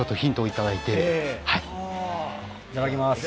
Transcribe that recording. いただきます。